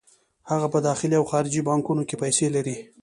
هغه په داخلي او خارجي بانکونو کې پیسې لري